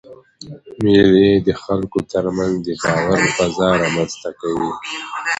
مېلې د خلکو تر منځ د باور فضا رامنځ ته کوي.